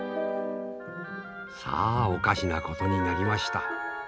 さあおかしなことになりました。